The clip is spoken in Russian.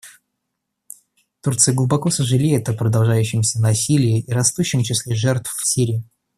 Турция глубоко сожалеет о продолжающемся насилии и растущем числе жертв в Сирии.